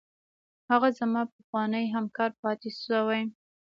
هغه زما پخوانی همکار پاتې شوی.